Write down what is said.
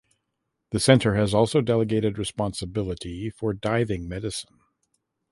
The centre has also delegated responsibility for diving medicine.